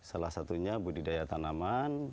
salah satunya budidaya tanaman